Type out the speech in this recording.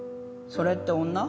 それって女？